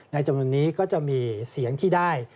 ในจมูลนี้ก็จะมีเสียงที่ได้